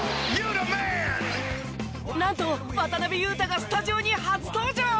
なんと渡邊雄太がスタジオに初登場！